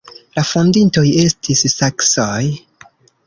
La fondintoj estis saksoj.